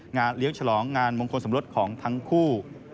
เลี้ยงฉลองงานมงคลสมรสของทั้งคู่